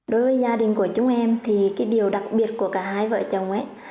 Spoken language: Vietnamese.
đối với gia đình của chúng em thì cái điều đặc biệt của cả hai vợ chồng ấy